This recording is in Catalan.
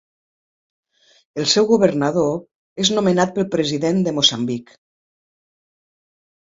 El seu governador és nomenat pel president de Moçambic.